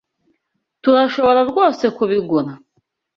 Turashobora rwose kubigura?